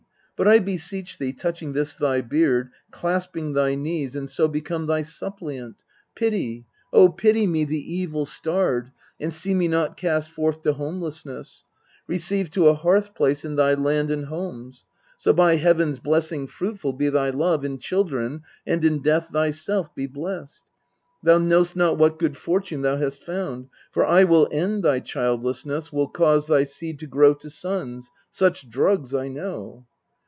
But I beseech thee, touching this thy beard, Clasping thy knees, and so become thy suppliant Pity, O pity me the evil starred, And see me not cast forth to homelessness : Receive to a hearth place in thy land and homes. So by Heaven's blessing fruitful be thy love In children, and in death thyself be blest. Thou know'st not what good fortune thou hast found : For I will end thy childlessness, will cause Thy seed to grow to sons; such drugs I know.